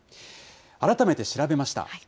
改めて調べました。